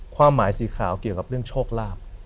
ความหมายสีขาวเกี่ยวกับเรื่องโชคลาภ